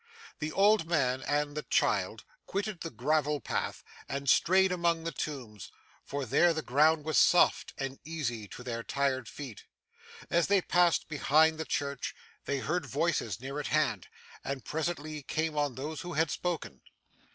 The old man and the child quitted the gravel path, and strayed among the tombs; for there the ground was soft, and easy to their tired feet. As they passed behind the church, they heard voices near at hand, and presently came on those who had spoken.